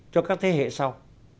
cho các thế hệ sau